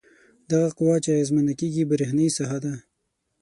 دغه قوه چې اغیزمنه کیږي برېښنايي ساحه ده.